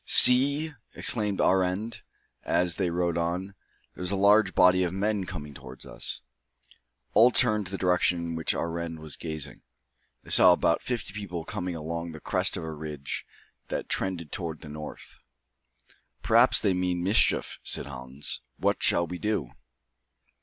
"See!" exclaimed Arend, as they rode on, "there's a large body of men coming towards us." All turned to the direction in which Arend was gazing. They saw about fifty people coming along the crest of a ridge, that trended toward the north. "Perhaps they mean mischief," said Hans. "What shall we do?"